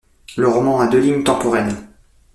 Le roman a deux lignes temporelles.